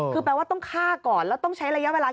คือแปลว่าต้องฆ่าก่อนแล้วต้องใช้ระยะเวลา